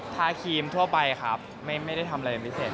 ทาครีมทั่วไปครับไม่ได้ทำอะไรเป็นพิเศษ